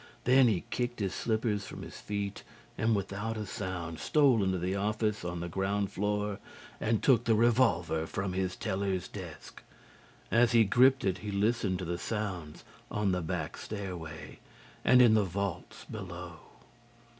Then he kicked his slippers from his feet and without a sound stole into the office on the ground floor and took the revolver from his teller's desk. As he gripped it, he listened to the sounds on the back stairway and in the vaults below.